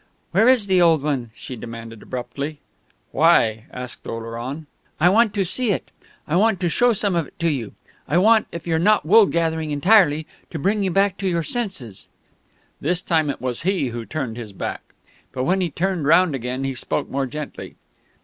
"Where is the old one?" she demanded abruptly. "Why?" asked Oleron. "I want to see it. I want to show some of it to you. I want, if you're not wool gathering entirely, to bring you back to your senses." This time it was he who turned his back. But when he turned round again he spoke more gently.